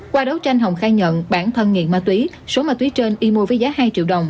qua đấu tranh hồng khai nhận bản thân nghiện ma túy số ma túy trên y mua với giá hai triệu đồng